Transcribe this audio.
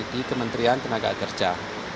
di kementerian tenaga kerja